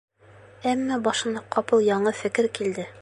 Әммә башына ҡапыл яңы фекер килде.